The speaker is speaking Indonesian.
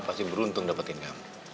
pasti beruntung dapetin kamu